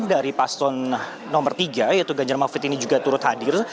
dari paslon nomor tiga yaitu ganjar mahfud ini juga turut hadir